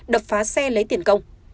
đập phá xe lấy tiền công